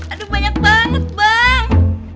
aduh banyak banget bang